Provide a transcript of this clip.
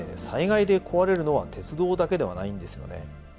災害で壊れるのは鉄道だけではないんですよね。